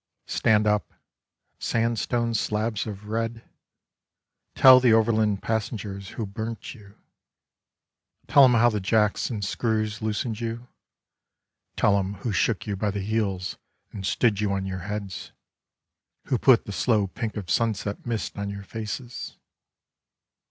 Stand up, sandstone slabs of red. Tell the overland passengers who burnt you. Tell 'em how the jacks and screws loosened you. Tell 'em who shook you by the heels and stood you on your heads. Who put the slow pink of sunset mist on your faces.